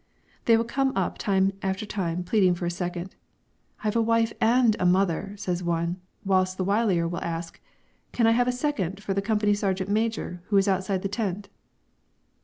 They will come up time after time pleading for a second. "I've a wife and a mother," says one; while the wilier will ask: "Can I have a second for the company sergeant major, who is outside the tent?"